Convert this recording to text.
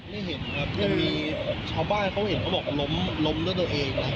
ไม่เห็นครับเดี๋ยวมีชาวบ้านเขาเห็นเขาบอกล้มให้เดี๋ยวเอง